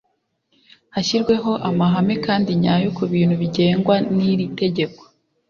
hashyirweho amahame kandi nyayo ku bintu bigengwa n iri tegeko